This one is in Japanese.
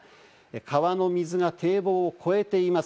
川の水が堤防を越えています。